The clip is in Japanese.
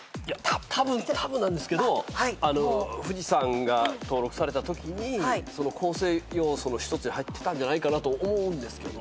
たぶんたぶんなんですけど富士山が登録されたときにその構成要素の一つに入ってたんじゃないかなと思う。